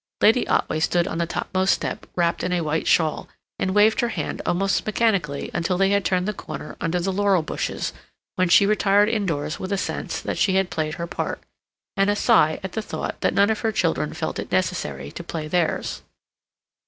Lady Otway stood on the topmost step, wrapped in a white shawl, and waved her hand almost mechanically until they had turned the corner under the laurel bushes, when she retired indoors with a sense that she had played her part, and a sigh at the thought that none of her children felt it necessary to play theirs.